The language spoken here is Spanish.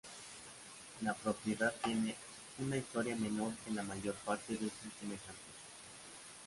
La propiedad tiene una historia menor que la mayor parte de sus semejantes.